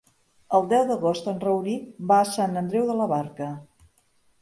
El deu d'agost en Rauric va a Sant Andreu de la Barca.